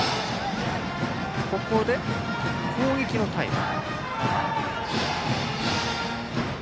ここで攻撃のタイム。